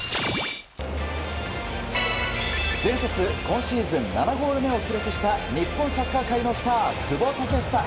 前節今シーズン７ゴール目を記録した日本サッカー界のスター久保建英。